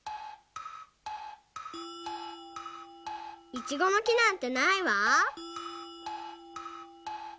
イチゴのきなんてないわ。